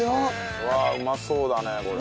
うわうまそうだねこれ。